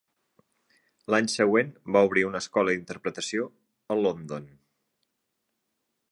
L'any següent va obrir una escola d'interpretació a London.